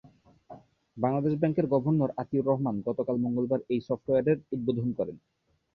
বাংলাদেশ ব্যাংকের গভর্নর আতিউর রহমান গতকাল মঙ্গলবার এই সফটওয়্যারের উদ্বোধন করেন।